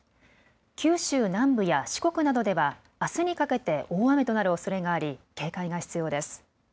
九州南部や四国などではあすにかけて大雨となるおそれがあり警戒が必要です。